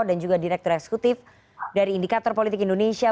dan juga direktur eksekutif dari indikator pdi perjuangan